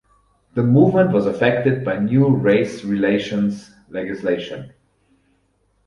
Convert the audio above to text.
The movement was affected by new race relations legislation.